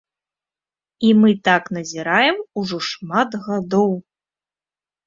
І мы так назіраем ужо шмат гадоў.